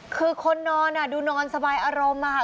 คือคนนอนดูนอนสบายอารมณ์อะค่ะ